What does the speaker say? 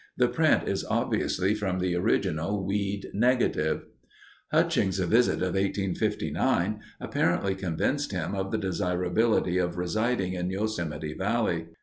The print is obviously from the original Weed negative. Hutchings' visit of 1859 apparently convinced him of the desirability of residing in Yosemite Valley.